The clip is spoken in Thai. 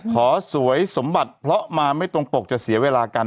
สวยสมบัติเพราะมาไม่ตรงปกจะเสียเวลากัน